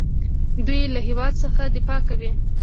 دوی له هیواد څخه دفاع کوي.